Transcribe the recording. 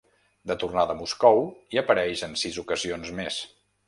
De tornada a Moscou, hi apareix en sis ocasions més.